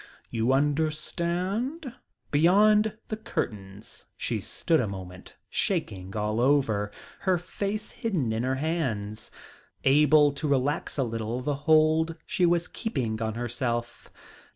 You understand?" Beyond the curtains she stood a moment, shaking all over, her face hidden in her hands, able to relax a little the hold she was keeping on herself.